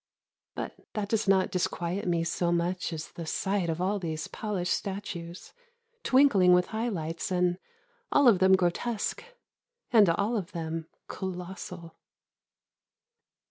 But that does not disquiet me so much as the sight of all these polished statues twinkling with high lights and all of them grotesque and all of them colossal.